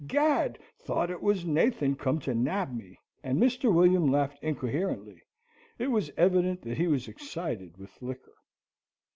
Gad! thought it was Nathan come to nab me." And Mr. William laughed incoherently. It was evident that he was excited with liquor.